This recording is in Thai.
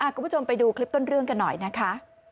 คุณผู้ชมไปดูคลิปต้นเรื่องกันหน่อยนะคะ